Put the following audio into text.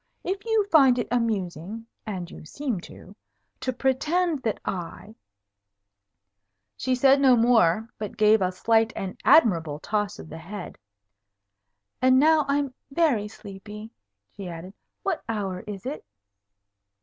If you find it amusing (and you seem to) to pretend that I " she said no more, but gave a slight and admirable toss of the head. "And now I am very sleepy," she added. "What hour is it?"